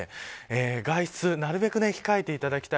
外出はなるべく控えていただい